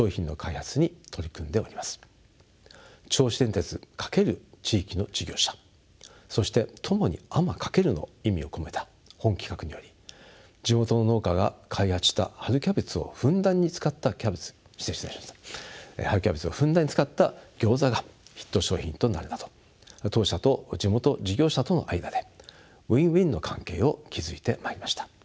銚子電鉄×地域の事業者そして共に天翔けるの意味を込めた本企画により地元の農家が開発した春キャベツをふんだんに使ったギョーザがヒット商品となるなど当社と地元事業者との間でｗｉｎーｗｉｎの関係を築いてまいりました。